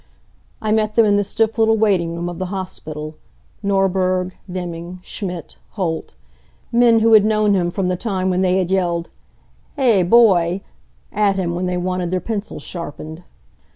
I met them in the stiff little waiting room of he hospital Norberg, Deming, Schmidt, Holt men who had known him from the time when they had yelled, "Heh, boy!" at him when they wanted their pencils sharpened.